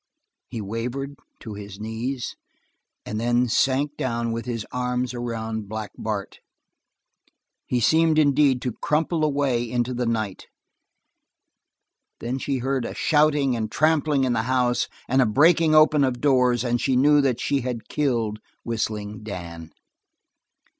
He wavered to his knees, and then sank down with his arms around Black Bart. He seemed, indeed, to crumple away into the night. Then she heard a shouting and trampling in the house, and a breaking open of doors, and she knew that she had killed Whistling Dan.